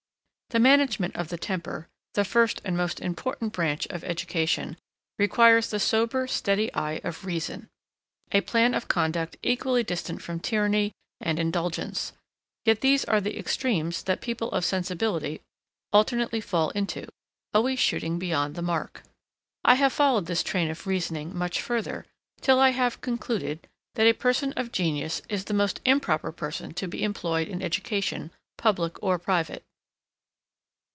The management of the temper, the first and most important branch of education, requires the sober steady eye of reason; a plan of conduct equally distant from tyranny and indulgence; yet these are the extremes that people of sensibility alternately fall into; always shooting beyond the mark. I have followed this train of reasoning much further, till I have concluded, that a person of genius is the most improper person to be employed in education, public or private.